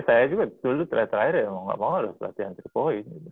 tapi dulu terakhir ya mau nggak mau lah latihan tiga point